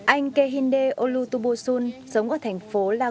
anh kehinde olutubusun sống ở thành phố laos